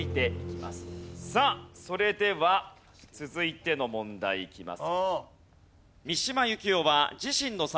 さあそれでは続いての問題いきます。